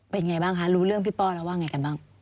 เป็นไงบ้างคะรู้เรื่องพี่ป้อแล้วว่าไงกันบ้าง